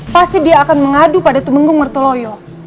pasti dia akan mengadu pada tumenggung mertoloyo